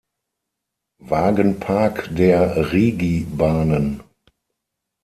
Wagenpark der Rigi Bahnen